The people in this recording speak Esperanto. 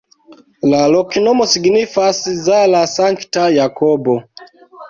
La loknomo signifas: Zala-sankta-Jakobo.